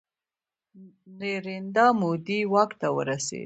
نریندرا مودي واک ته ورسید.